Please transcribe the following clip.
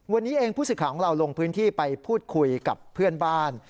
วันนี้เองผู้สื่อข่าวของเราลงพื้นที่ไปพูดคุยกับเพื่อนบ้าน